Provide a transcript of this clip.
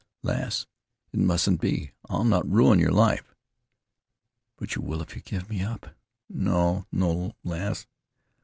"Lass, it mustn't be; I'll not ruin your life." "But you will if you give me up." "No, no, lass."